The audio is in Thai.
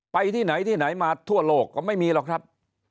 ไปที่ไหนที่ไหนมาทั่วโลกก็ไม่มีหรอกครับ